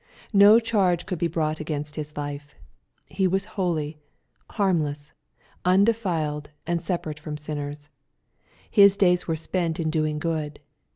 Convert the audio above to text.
No charge could be brought against His life : He was holy, harmless, undefiled, and separate from sinners, — His days were spent in doiug good.